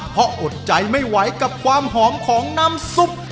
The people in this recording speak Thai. เพราะอดใจไม่ไหวกับความหอมของน้ำซุป